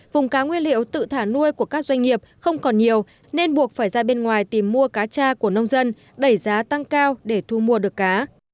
vùng cá nguyên liệu tự thả nuôi của các doanh nghiệp không còn nhiều nên buộc phải ra bên ngoài tìm mua cá cha của nông dân đẩy giá tăng cao để thu mua được cá